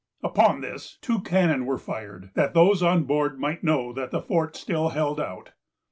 Upon this, two cannon were fired, that those on board might know that the fort still held out.